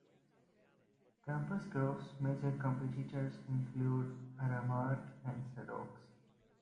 Compass Group's major competitors include Aramark and Sodexo.